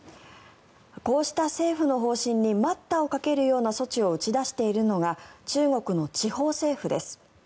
こうした政府の方針に待ったをかけるような措置を打ち出しているのが中国の地方政府です。